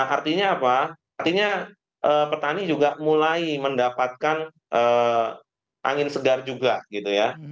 artinya apa artinya petani juga mulai mendapatkan angin segar juga gitu ya